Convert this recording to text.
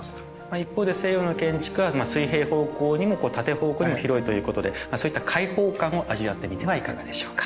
一方で西洋の建築は水平方向にも縦方向にも広いということでそういった開放感を味わってみてはいかがでしょうか？